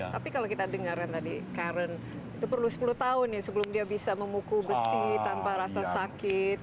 tapi kalau kita dengarkan tadi karen itu perlu sepuluh tahun ya sebelum dia bisa memukul besi tanpa rasa sakit